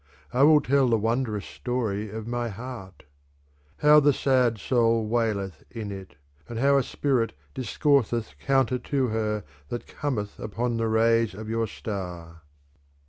I will tell the wondrous story of my heart How the sad soul waileth in it, and how a spirit dis courseth counter to her that cometh upon the rays of your star.